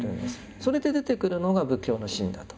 それで出てくるのが仏教の信だと。